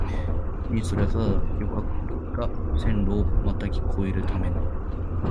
のちにそれはただ旅客が線路をまたぎ越えるための、